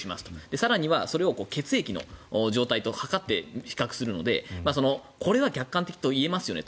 更にはそれを血液の状態と測って比較するのでこれは客観的と言えますよねと。